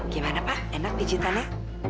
gimana pak enak pijatannya